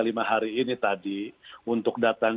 lima hari ini tadi untuk datang